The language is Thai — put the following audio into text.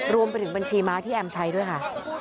รวมไปถึงบัญชีม้าที่แอมใช้ด้วยค่ะ